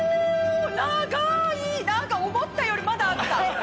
長い、なんか思ったよりまだあった。